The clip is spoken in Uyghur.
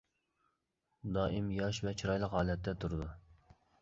دائىم ياش ۋە چىرايلىق ھالەتتە تۇرىدۇ.